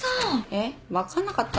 えっ分かんなかった？